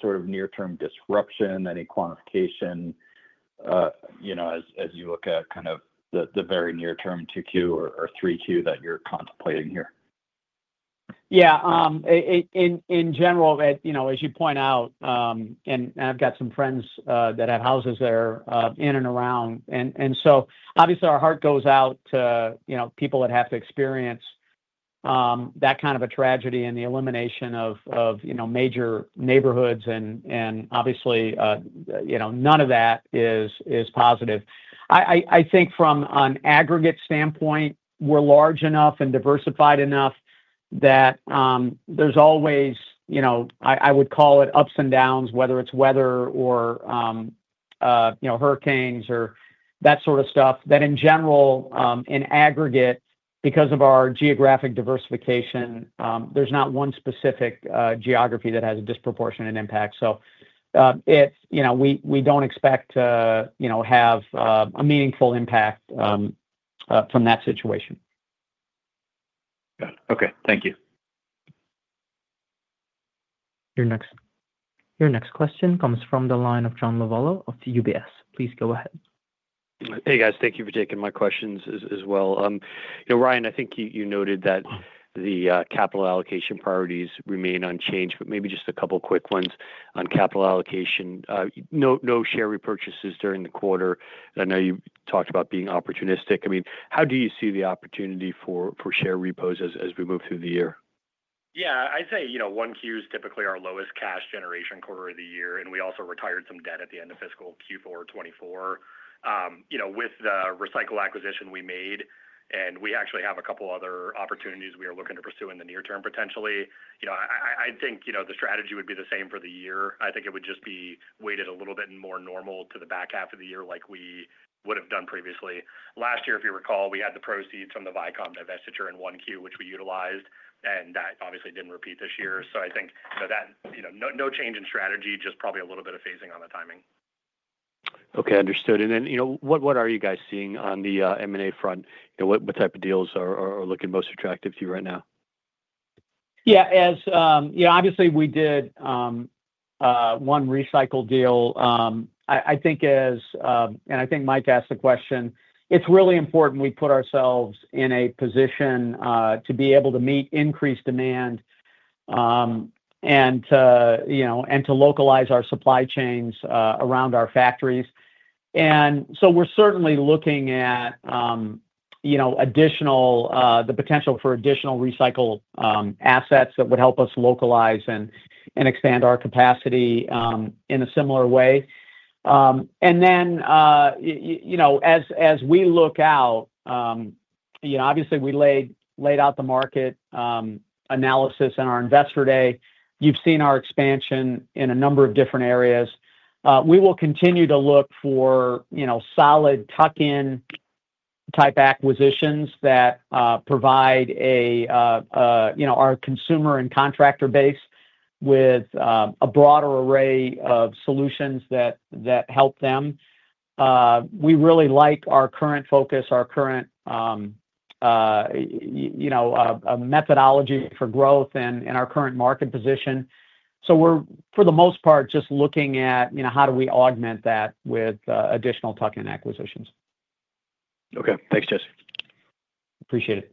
sort of near-term disruption, any quantification as you look at kind of the very near-term 2Q or 3Q that you're contemplating here? Yeah. In general, as you point out, and I've got some friends that have houses there in and around, and so obviously, our heart goes out to people that have to experience that kind of a tragedy and the elimination of major neighborhoods, and obviously, none of that is positive. I think from an aggregate standpoint, we're large enough and diversified enough that there's always, I would call it, ups and downs, whether it's weather or hurricanes or that sort of stuff, that in general, in aggregate, because of our geographic diversification, there's not one specific geography that has a disproportionate impact. So we don't expect to have a meaningful impact from that situation. Got it. Okay. Thank you. Your next question comes from the line of John Lovallo of UBS. Please go ahead. Hey, guys. Thank you for taking my questions as well. Ryan, I think you noted that the capital allocation priorities remain unchanged, but maybe just a couple of quick ones on capital allocation. No share repurchases during the quarter. I know you talked about being opportunistic. I mean, how do you see the opportunity for share repos as we move through the year? Yeah. I'd say 1Q is typically our lowest cash generation quarter of the year, and we also retired some debt at the end of fiscal Q4 2024 with the recycling acquisition we made. And we actually have a couple of other opportunities we are looking to pursue in the near term potentially. I think the strategy would be the same for the year. I think it would just be weighted a little bit more normal to the back half of the year like we would have done previously. Last year, if you recall, we had the proceeds from the Vycom divestiture in 1Q, which we utilized, and that obviously didn't repeat this year. So I think no change in strategy, just probably a little bit of phasing on the timing. Okay. Understood. And then what are you guys seeing on the M&A front? What type of deals are looking most attractive to you right now? Yeah. Obviously, we did one recycled deal. I think Mike asked the question. It's really important we put ourselves in a position to be able to meet increased demand and to localize our supply chains around our factories, and so we're certainly looking at the potential for additional recycled assets that would help us localize and expand our capacity in a similar way, and then as we look out, obviously, we laid out the market analysis in our Investor Day. You've seen our expansion in a number of different areas. We will continue to look for solid tuck-in type acquisitions that provide our consumer and contractor base with a broader array of solutions that help them. We really like our current focus, our current methodology for growth, and our current market position. So we're, for the most part, just looking at how do we augment that with additional tuck-in acquisitions. Okay. Thanks, Jesse. Appreciate it.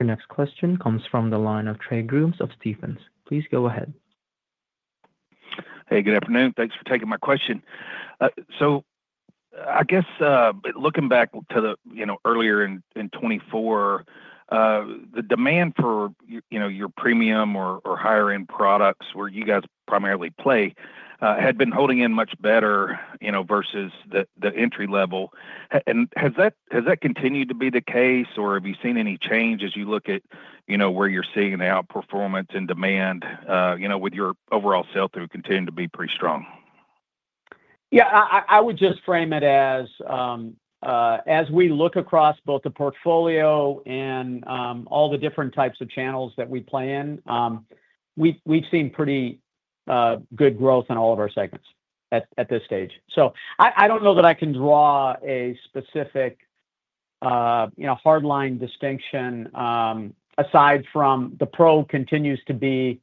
Your next question comes from the line of Trey Grooms of Stephens. Please go ahead. Hey, good afternoon. Thanks for taking my question. So I guess looking back to the earlier in 2024, the demand for your premium or higher-end products where you guys primarily play had been holding in much better versus the entry level. And has that continued to be the case, or have you seen any change as you look at where you're seeing the outperformance and demand with your overall sell-through continuing to be pretty strong? Yeah. I would just frame it as we look across both the portfolio and all the different types of channels that we play in, we've seen pretty good growth in all of our segments at this stage. So I don't know that I can draw a specific hardline distinction aside from the pro continues to be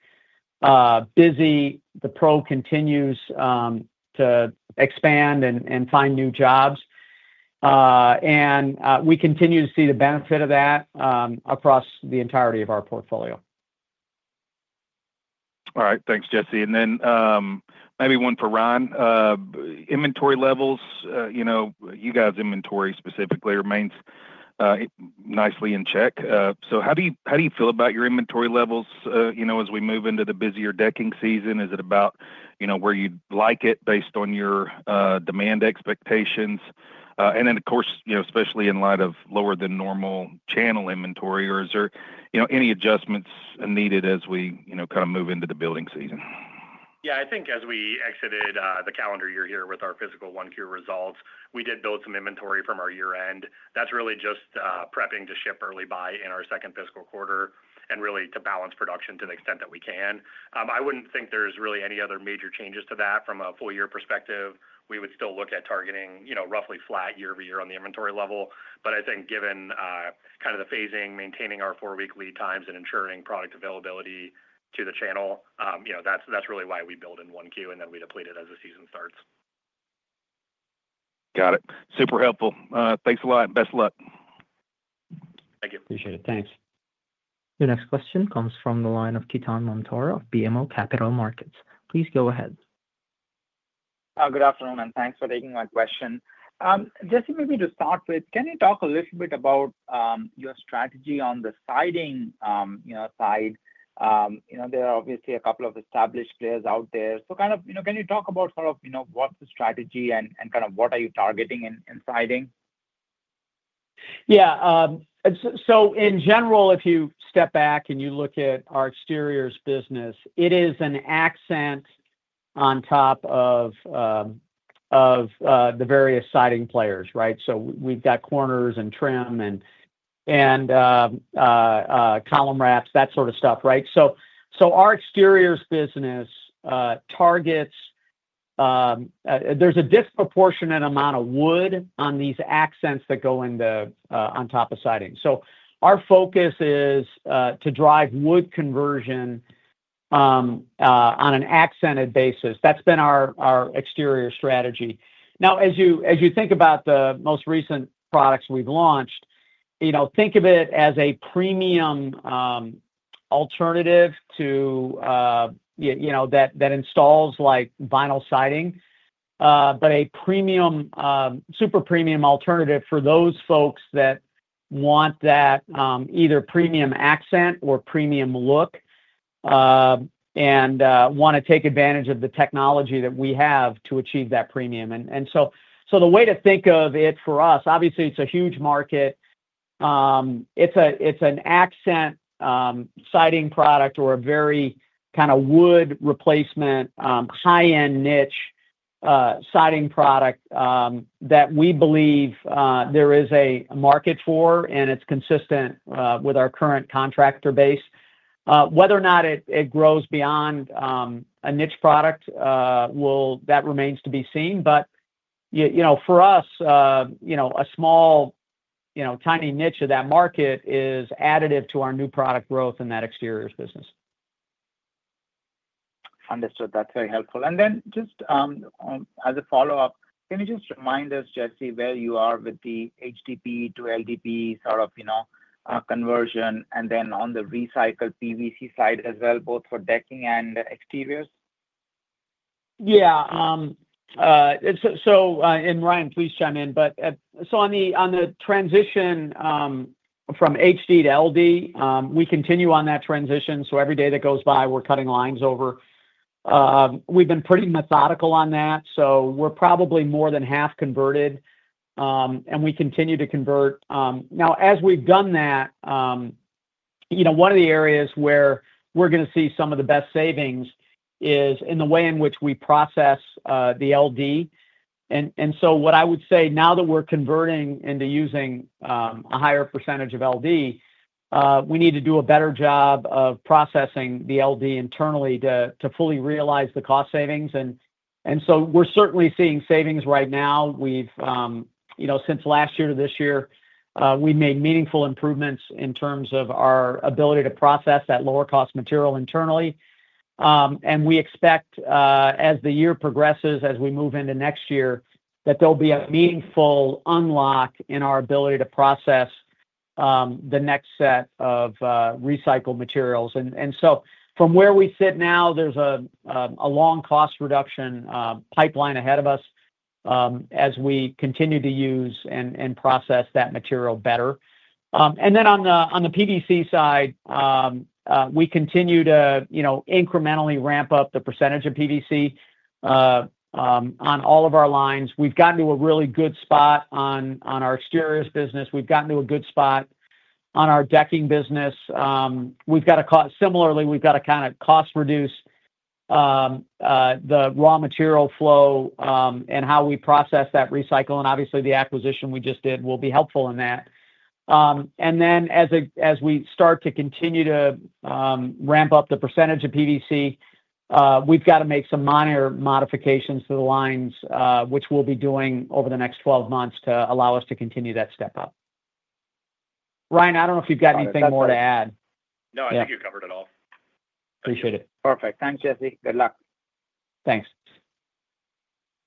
busy, the pro continues to expand and find new jobs, and we continue to see the benefit of that across the entirety of our portfolio. All right. Thanks, Jesse. And then maybe one for Ryan. Inventory levels, you guys' inventory specifically remains nicely in check. So how do you feel about your inventory levels as we move into the busier decking season? Is it about where you'd like it based on your demand expectations? And then, of course, especially in light of lower-than-normal channel inventory, or is there any adjustments needed as we kind of move into the building season? Yeah. I think as we exited the calendar year here with our fiscal 1Q results, we did build some inventory from our year-end. That's really just prepping to ship early buy in our second fiscal quarter and really to balance production to the extent that we can. I wouldn't think there's really any other major changes to that from a full-year perspective. We would still look at targeting roughly flat year-over-year on the inventory level. But I think given kind of the phasing, maintaining our four-week lead times, and ensuring product availability to the channel, that's really why we build in 1Q, and then we deplete it as the season starts. Got it. Super helpful. Thanks a lot. Best of luck. Thank you. Appreciate it. Thanks. Your next question comes from the line of Ketan Mamtora of BMO Capital Markets. Please go ahead. Good afternoon, and thanks for taking my question. Jesse, maybe to start with, can you talk a little bit about your strategy on the siding side? There are obviously a couple of established players out there. So kind of can you talk about sort of what the strategy and kind of what are you targeting in siding? Yeah. So in general, if you step back and you look at our exteriors business, it is an accent on top of the various siding players, right? So we've got corners and trim and column wraps, that sort of stuff, right? So our exteriors business targets. There's a disproportionate amount of wood on these accents that go on top of siding. So our focus is to drive wood conversion on an accented basis. That's been our exterior strategy. Now, as you think about the most recent products we've launched, think of it as a premium alternative to that installs like vinyl siding, but a super premium alternative for those folks that want that either premium accent or premium look and want to take advantage of the technology that we have to achieve that premium. And so the way to think of it for us, obviously, it's a huge market. It's an accent siding product or a very kind of wood replacement, high-end niche siding product that we believe there is a market for, and it's consistent with our current contractor base. Whether or not it grows beyond a niche product, that remains to be seen. But for us, a small, tiny niche of that market is additive to our new product growth in that exteriors business. Understood. That's very helpful. And then just as a follow-up, can you just remind us, Jesse, where you are with the HD to LD sort of conversion and then on the recycled PVC side as well, both for decking and exteriors? Yeah. And Ryan, please chime in. But, so on the transition from HD to LD, we continue on that transition. So every day that goes by, we're cutting lines over. We've been pretty methodical on that. So we're probably more than half converted, and we continue to convert. Now, as we've done that, one of the areas where we're going to see some of the best savings is in the way in which we process the LD. And so what I would say, now that we're converting into using a higher percentage of LD, we need to do a better job of processing the LD internally to fully realize the cost savings. We're certainly seeing savings right now. Since last year to this year, we've made meaningful improvements in terms of our ability to process that lower-cost material internally. We expect, as the year progresses, as we move into next year, that there'll be a meaningful unlock in our ability to process the next set of recycled materials. From where we sit now, there's a long cost reduction pipeline ahead of us as we continue to use and process that material better. On the PVC side, we continue to incrementally ramp up the percentage of PVC on all of our lines. We've gotten to a really good spot on our exteriors business. We've gotten to a good spot on our decking business. Similarly, we've got to kind of cost reduce the raw material flow and how we process that recycle. And obviously, the acquisition we just did will be helpful in that. And then as we start to continue to ramp up the percentage of PVC, we've got to make some minor modifications to the lines, which we'll be doing over the next 12 months to allow us to continue that step up. Ryan, I don't know if you've got anything more to add. No, I think you covered it all. Appreciate it. Perfect. Thanks, Jesse. Good luck. Thanks.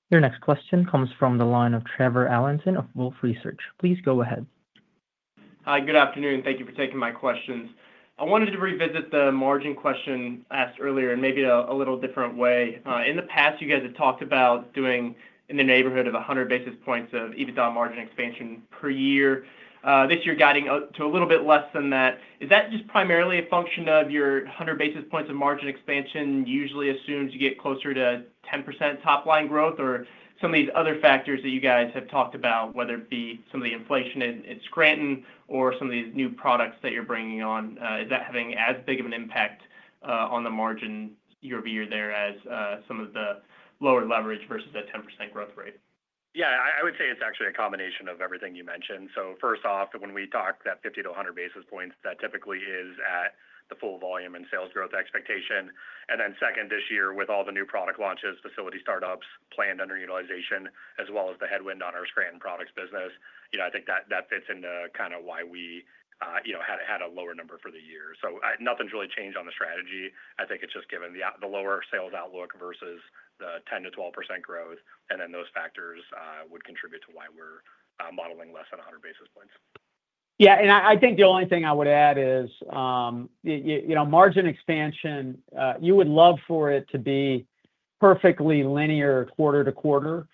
Your next question comes from the line of Trevor Allinson of Wolfe Research. Please go ahead. Hi. Good afternoon. Thank you for taking my questions. I wanted to revisit the margin question asked earlier in maybe a little different way. In the past, you guys had talked about doing in the neighborhood of 100 basis points of EBITDA margin expansion per year. This year, guiding to a little bit less than that, is that just primarily a function of your 100 basis points of margin expansion usually assumes you get closer to 10% top-line growth, or some of these other factors that you guys have talked about, whether it be some of the inflation in Scranton or some of these new products that you're bringing on? Is that having as big of an impact on the margin year-over-year there as some of the lower leverage versus that 10% growth rate? Yeah. I would say it's actually a combination of everything you mentioned. So first off, when we talk that 50-100 basis points, that typically is at the full volume and sales growth expectation. And then second, this year, with all the new product launches, facility startups planned under utilization, as well as the headwind on our Scranton products business, I think that fits into kind of why we had a lower number for the year. So nothing's really changed on the strategy. I think it's just given the lower sales outlook versus the 10%-12% growth, and then those factors would contribute to why we're modeling less than 100 basis points. Yeah. And I think the only thing I would add is margin expansion, you would love for it to be perfectly linear quarter to quarter.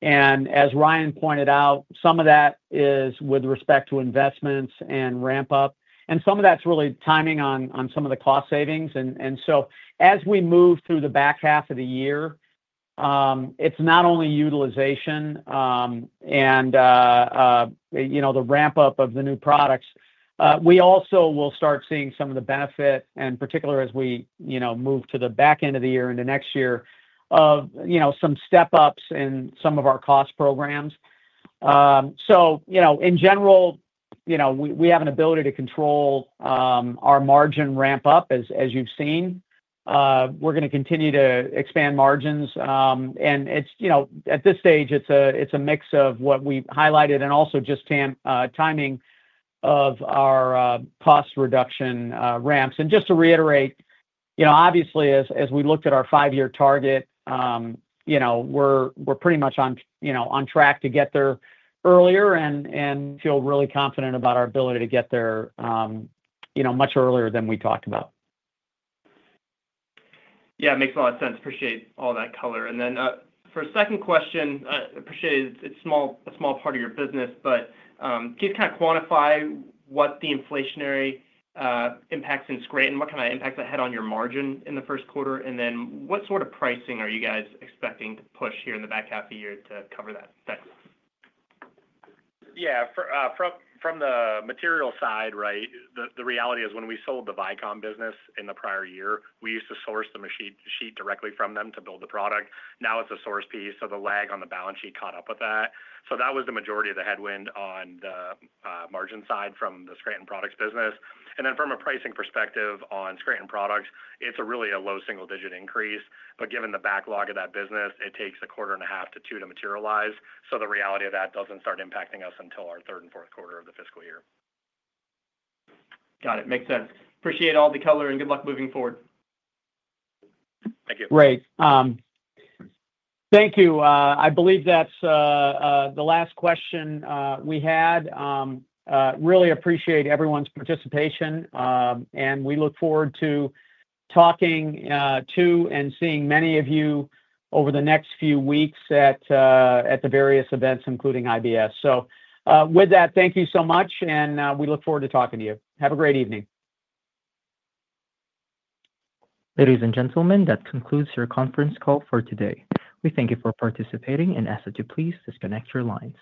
And as Ryan pointed out, some of that is with respect to investments and ramp-up, and some of that's really timing on some of the cost savings. And so as we move through the back half of the year, it's not only utilization and the ramp-up of the new products. We also will start seeing some of the benefit, and particularly as we move to the back end of the year into next year, of some step-ups in some of our cost programs. So in general, we have an ability to control our margin ramp-up as you've seen. We're going to continue to expand margins. And at this stage, it's a mix of what we highlighted and also just timing of our cost reduction ramps. And just to reiterate, obviously, as we looked at our five-year target, we're pretty much on track to get there earlier and feel really confident about our ability to get there much earlier than we talked about. Yeah. Makes a lot of sense. Appreciate all that color. And then for a second question, I appreciate it's a small part of your business, but can you kind of quantify what the inflationary impacts in Scranton Products are? What kind of impacts ahead on your margin in the first quarter? And then what sort of pricing are you guys expecting to push here in the back half of the year to cover that? Yeah. From the material side, right, the reality is when we sold the Vycom business in the prior year, we used to source the plastic sheet directly from them to build the product. Now it's a sourced piece, so the lag on the balance sheet caught up with that. So that was the majority of the headwind on the margin side from the Scranton Products business. And then from a pricing perspective on Scranton Products, it's really a low single-digit increase. But given the backlog of that business, it takes a quarter and a half to two to materialize. So the reality of that doesn't start impacting us until our third and fourth quarter of the fiscal year. Got it. Makes sense. Appreciate all the color and good luck moving forward. Thank you. Great. Thank you. I believe that's the last question we had. Really appreciate everyone's participation, and we look forward to talking to and seeing many of you over the next few weeks at the various events, including IBS. So with that, thank you so much, and we look forward to talking to you. Have a great evening. Ladies and gentlemen, that concludes your conference call for today. We thank you for participating, and ask that you please disconnect your lines.